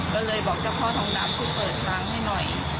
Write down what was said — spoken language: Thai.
ก็เลยบอกเจ้าพ่อทองดำช่วยเปิดทางให้หน่อย